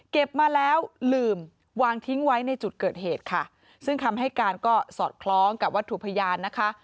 มาแล้วลืมวางทิ้งไว้ในจุดเกิดเหตุค่ะซึ่งคำให้การก็สอดคล้องกับวัตถุพยานนะคะ